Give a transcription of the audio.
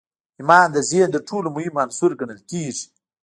ايمان د ذهن تر ټولو مهم عنصر ګڼل کېږي.